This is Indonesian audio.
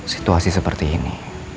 situasi seperti ini